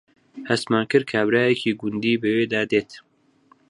هەستمان کرد کابرایەکی گوندی بەوێدا دێت